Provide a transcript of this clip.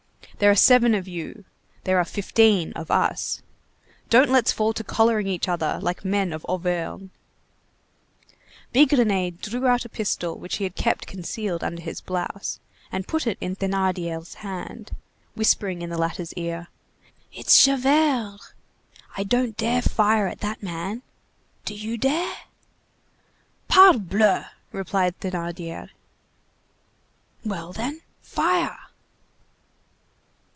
There are seven of you, there are fifteen of us. Don't let's fall to collaring each other like men of Auvergne." Bigrenaille drew out a pistol which he had kept concealed under his blouse, and put it in Thénardier's hand, whispering in the latter's ear:— "It's Javert. I don't dare fire at that man. Do you dare?" "Parbleu!" replied Thénardier. "Well, then, fire."